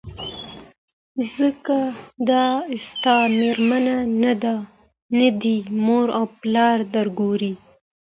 ځکه دا ستا مېرمن نه ده نه دي مور او پلار درګوري